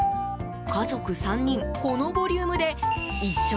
家族３人、このボリュームで１食